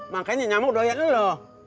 makanya nyamuk doyat dulu loh